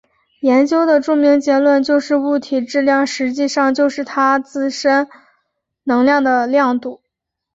研究的著名结论就是物体质量实际上就是它自身能量的量度。